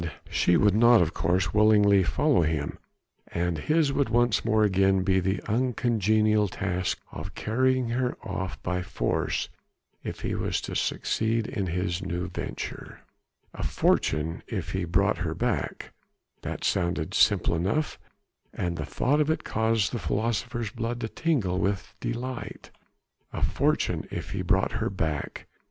She would not, of course, willingly follow him, and his would once again be the uncongenial task of carrying her off by force if he was to succeed in his new venture. A fortune if he brought her back! That sounded simple enough, and the thought of it caused the philosopher's blood to tingle with delight. A fortune if he brought her back!